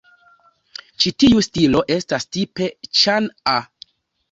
Ĉi tiu stilo estas tipe Ĉan-a.